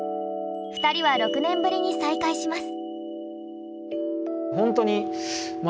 ２人は６年ぶりに再会します。